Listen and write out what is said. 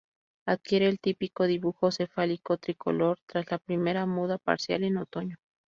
Adquiere el típico dibujo cefálico tricolor tras la primera muda parcial en otoño.